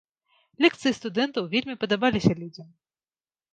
Лекцыі студэнтаў вельмі падабаліся людзям.